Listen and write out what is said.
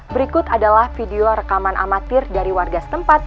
berikut adalah video rekaman amatir dari warga setempat